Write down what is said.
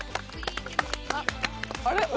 あれ？